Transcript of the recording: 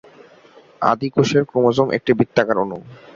আদি কোষের ক্রোমোসোম একটি বৃত্তাকার অণু।